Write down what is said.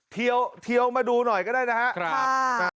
เทียวมาดูหน่อยก็ได้นะครับ